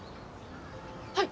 はい。